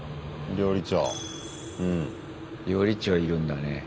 料理長いるんだね。